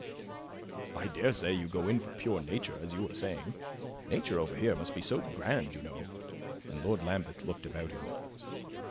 "I daresay you go in for pure nature, as you were saying. Nature over here must be so grand, you know." And Lord Lambeth looked about him.